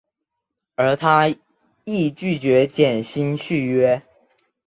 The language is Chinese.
而他亦拒绝减薪续约。